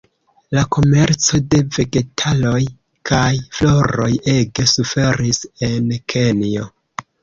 La komerco de Vegetaloj kaj floroj ege suferis en Kenjo.